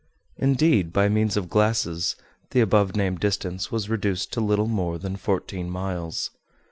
Indeed, by means of glasses, the above named distance was reduced to little more than fourteen miles.